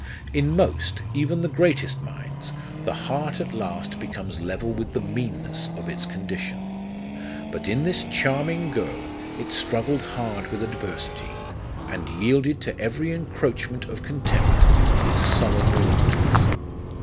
In most, even the greatest minds, the heart at last becomes level with the meanness of its condition ; but in this charming girl, it struggled hard with adversity, and yielded to every encroachment of contempt with sullen reluctance.